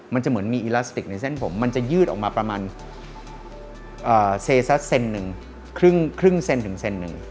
มันจะเหมือนมีอิลาสติกในเส้นผมมันจะยืดออกมาประมาณเซซัสเซนหนึ่งครึ่งเซนถึงเซนหนึ่ง